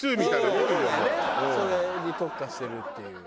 それに特化してるっていう。